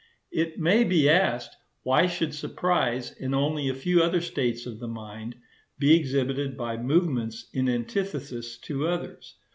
It may be asked why should surprise, and only a few other states of the mind, be exhibited by movements in antithesis to others.